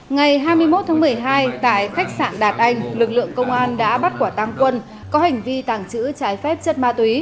ngày hai mươi một tháng một mươi hai tại khách sạn đạt anh lực lượng công an đã bắt quả tăng quân có hành vi tàng trữ trái phép chất ma túy